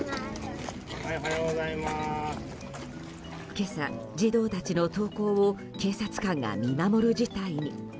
今朝、児童たちの登校を警察官が見守る事態に。